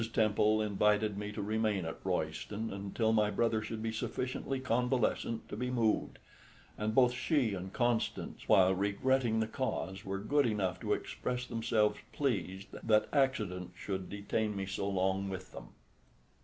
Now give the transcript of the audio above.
Temple invited me to remain at Royston until my brother should be sufficiently convalescent to be moved; and both she and Constance, while regretting the cause, were good enough to express themselves pleased that accident should detain me so long with them.